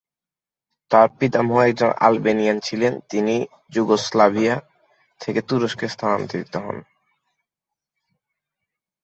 তার পিতামহ একজন আলবেনিয়ান ছিলেন যিনি যুগোস্লাভিয়া থেকে তুরস্কে স্থানান্তরিত হন।